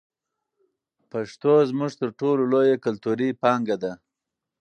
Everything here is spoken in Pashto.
پښتو زموږ تر ټولو لویه کلتوري پانګه ده.